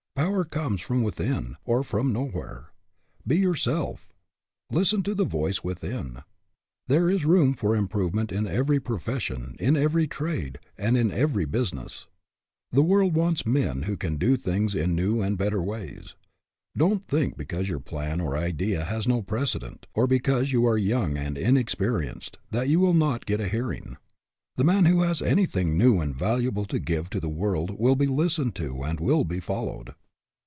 Power comes from within or from no where. Be yourself. Listen to the voice within. There is room for improvement in every profession, in every trade, and in every business. The world wants men who can do things in new and better ways. Don't think, because your plan or idea has no precedent, or because you are young and inexperienced, that you will not get a hearing. The man who has anything new and valuable to give to the world will be listened to and will be followed.